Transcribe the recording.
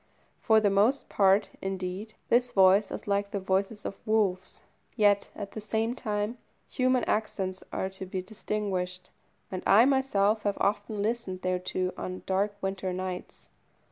For the most part, indeed, this voice is like the voices of wolves, yet, at the same time, human accents are to be distinguished, and I myself have often listened thereto on dark winter nights.